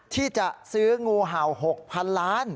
ที่จะซื้องูเห่า๖๐๐๐ล้าน